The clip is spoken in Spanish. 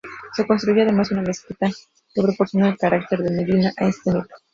Se construyó además una mezquita que proporcionó el carácter de medina a este núcleo.